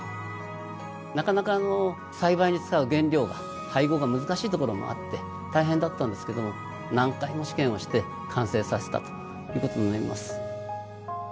なかなか栽培に使う原料が配合が難しいところもあって大変だったんですけども何回も試験をして完成させたということになります。